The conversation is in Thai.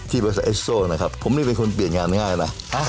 บริษัทเอสโซนะครับผมนี่เป็นคนเปลี่ยนงานง่ายนะ